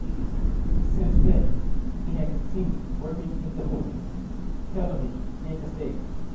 Since then, he has continued working in the movies, television and the stage.